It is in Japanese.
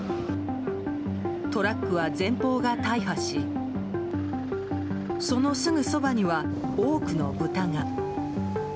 トラックは前方が大破しそのすぐそばには多くのブタが。